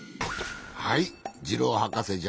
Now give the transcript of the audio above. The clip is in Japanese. はいジローはかせじゃ。